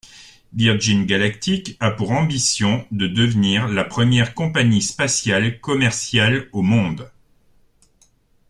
Virgin Galactic a pour ambition de devenir la première compagnie spatiale commerciale au monde.